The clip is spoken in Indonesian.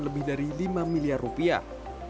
lebih dari lima miliar rupiah